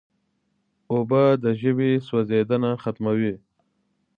اوبه د ژبې سوځیدنه ختموي.